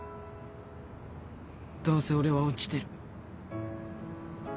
どうせ俺は落ちてる。